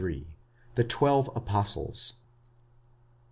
§ 73. THE TWELVE APOSTLES.